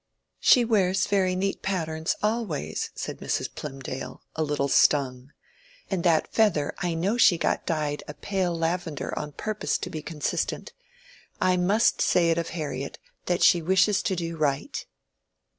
"She wears very neat patterns always," said Mrs. Plymdale, a little stung. "And that feather I know she got dyed a pale lavender on purpose to be consistent. I must say it of Harriet that she wishes to do right."